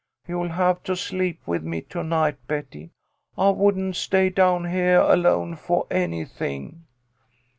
You'll have to sleep with me to night, Betty. I wouldn't stay down heah alone fo' anything."